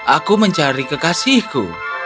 aku mencari kekasihku